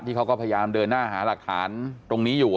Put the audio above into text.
เขาก็พยายามเดินหน้าหาหลักฐานตรงนี้อยู่